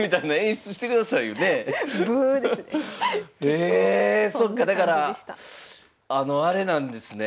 えそっかだからあれなんですね